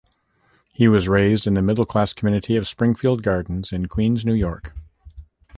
He was raised in the middle-class community of Springfield Gardens, in Queens, New York.